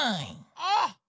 あっ！